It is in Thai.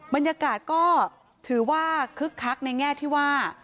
บรรยากาศก็ถือว่าคึกคักในแง่ที่ว่า